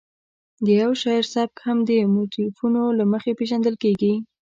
د یو شاعر سبک هم د موتیفونو له مخې پېژندل کېږي.